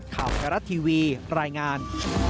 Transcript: ข่าวไทยรัฐทีวีรายงาน